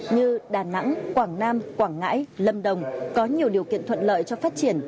như đà nẵng quảng nam quảng ngãi lâm đồng có nhiều điều kiện thuận lợi cho phát triển